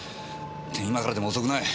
今からでも遅くない。